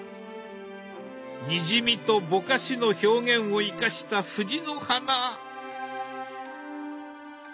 にじみとぼかしの表現を生かした藤の花。